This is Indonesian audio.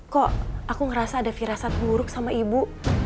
kok aku ngerasa ada firasat buruk sama ibu